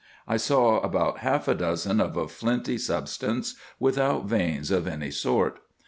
I saw about half a dozen of a flinty substance, without veins of any sort.